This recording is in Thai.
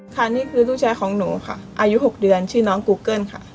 ค่ะนี่คือลูกชายของหนูค่ะอายุ๖เดือนชื่อน้องกูเกิ้ลค่ะ